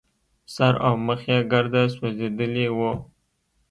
سر او مخ يې ګرده سوځېدلي وو.